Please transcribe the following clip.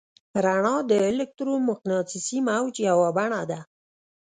رڼا د الکترومقناطیسي موج یوه بڼه ده.